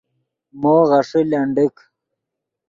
مو غیݰے لنڈیک